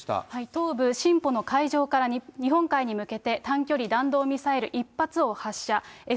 東部シンポの海上から日本海に向けて短距離弾道ミサイル１発を発射。